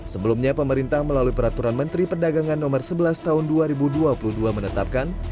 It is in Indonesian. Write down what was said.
sebelumnya pemerintah melalui peraturan menteri perdagangan no sebelas tahun dua ribu dua puluh dua menetapkan